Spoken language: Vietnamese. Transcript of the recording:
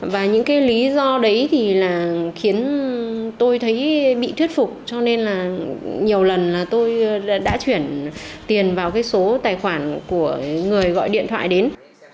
và những cái lý do đấy thì là khiến tôi thấy bị thuyết phục cho nên là nhiều lần là tôi đã chuyển tiền vào cái số tài khoản của người gọi điện thoại đến